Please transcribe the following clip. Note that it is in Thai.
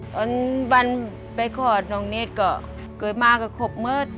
ตอนบันไปขอดตรงนี้ก็ก็มากก็คบเมิด